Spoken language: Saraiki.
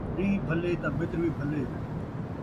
ݙین٘ہہ بھلے تاں مِتر وی بھلے